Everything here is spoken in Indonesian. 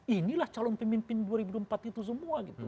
inilah calon pemimpin dua ribu empat itu semua gitu